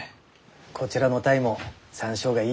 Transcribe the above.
こちらの鯛も山椒がいい香りだ。